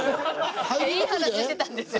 いい話してたんですよ